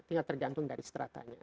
tinggal tergantung dari seteratanya